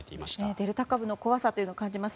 デルタ株の怖さというのを感じます。